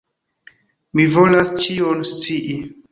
Mi volas ĉion scii!